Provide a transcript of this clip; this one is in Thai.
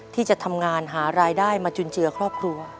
ที่จะทำงานหารายได้มาจุนเจือครอบครัว